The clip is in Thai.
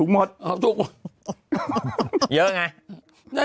ไม่ใช่ค่ะ